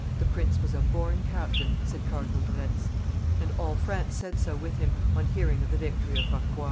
"The prince was a born captain," said Cardinal de Retz. And all France said so with him, on hearing of the victory of Rocroi.